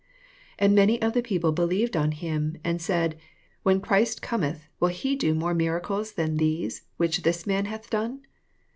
31 And many of the people be lieved on him, and said. When Christ Cometh, will he do more mira cles than these which this man hath done?